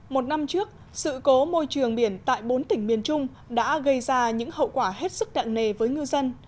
một năm trước sự cố môi trường biển tại bốn tỉnh miền trung đã gây ra những hậu quả hết sức nặng nề với ngư dân